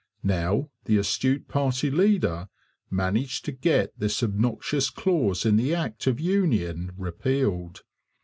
Now, the astute party leader managed to get this obnoxious clause in the Act of Union repealed.